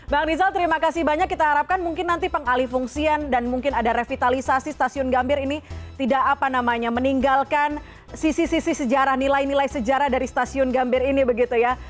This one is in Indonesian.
bang rizal terima kasih banyak kita harapkan mungkin nanti pengalih fungsian dan mungkin ada revitalisasi stasiun gambir ini tidak apa namanya meninggalkan sisi sisi sejarah nilai nilai sejarah dari stasiun gambir ini begitu ya